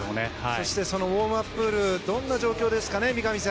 そしてウォームアッププールはどんな状況ですか？